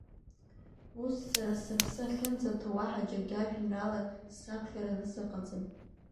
Ус, сара сыԥсы ахьынӡаҭоу уаҳа џьаргьы ажәеинраала сзаԥхьараны сыҟаӡам.